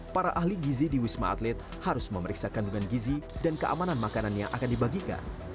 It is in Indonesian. para ahli gizi di wisma atlet harus memeriksa kandungan gizi dan keamanan makanan yang akan dibagikan